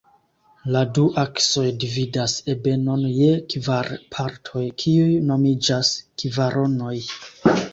La du aksoj dividas ebenon je kvar partoj, kiuj nomiĝas kvaronoj.